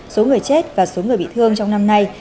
số người chết và số người bị thương trong năm nay